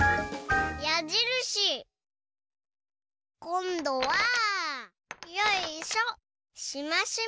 こんどはよいしょ！